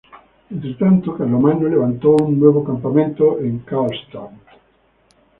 Entretanto, Carlomagno levantó un nuevo campamento en Karlstadt.